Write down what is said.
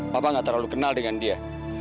bapak nggak terlalu kenal dengan dia